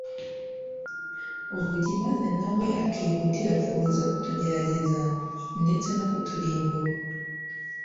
urugi maze nawe akihutira kuza kutugerageza ndetse no kuturimbura.